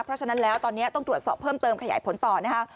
เพราะฉะนั้นแล้วตอนนี้ต้องตรวจสอบเพิ่มเติมขยายผลต่อนะคะ